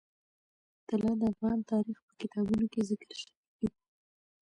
طلا د افغان تاریخ په کتابونو کې ذکر شوی دي.